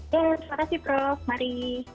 terima kasih prof mari